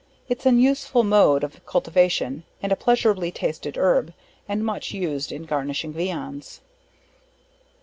Its an useful mode of cultivation, and a pleasurably tasted herb, and much used in garnishing viands.